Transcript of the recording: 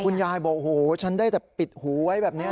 ยายบอกโอ้โหฉันได้แต่ปิดหูไว้แบบนี้